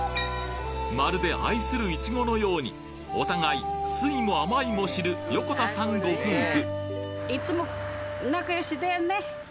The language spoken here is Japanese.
まるで愛するイチゴのようにお互い酸いも甘いも知る横田さんご夫婦